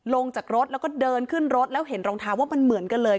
ลงจากรถแล้วก็เดินขึ้นรถแล้วเห็นรองเท้าว่ามันเหมือนกันเลย